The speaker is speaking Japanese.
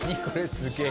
すげえ。